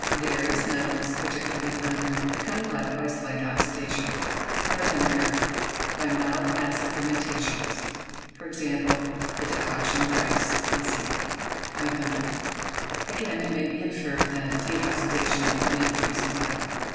Various metals, particularly iron, become black by slight oxydation, by vinegar, by mild acid fermentations; for example, a decoction of rice, &c. 500. Again, it may be inferred that a de oxydation may produce black.